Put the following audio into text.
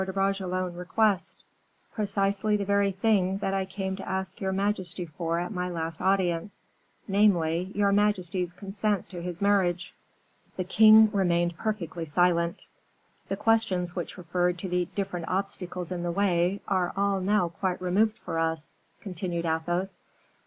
de Bragelonne request?" "Precisely the very thing that I came to ask your majesty for at my last audience, namely, your majesty's consent to his marriage." The king remained perfectly silent. "The questions which referred to the different obstacles in the way are all now quite removed for us," continued Athos.